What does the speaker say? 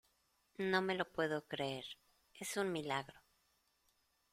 no me lo puedo creer. es un milagro .